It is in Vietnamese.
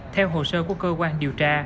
theo hồ sơ của cơ quan điều tra